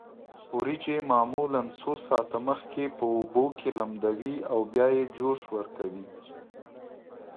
وریجې معمولا څو ساعته مخکې په اوبو کې لمدوي او بیا یې جوش ورکوي.